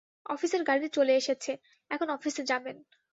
অফিসের গাড়ি চলে এসেছে, এখন অফিসে যাবেন।